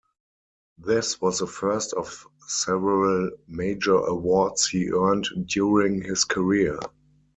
This was the first of several major awards he earned during his career.